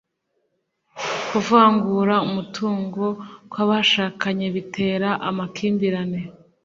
kuvangura umutungo kw’ abashakanye bitera amakimbirane